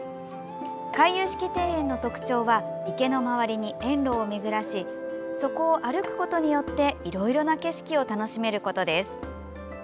回遊式庭園の特徴は池の周りに園路を巡らしそこを歩くことによっていろいろな景色を楽しめることです。